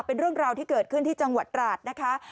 เป็นเรื่องราวที่เกิดขึ้นที่จังหวัดตราดนะคะ